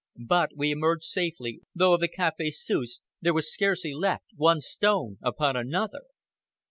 But we emerged safely, though of the Café Suisse there was scarcely left one stone upon another.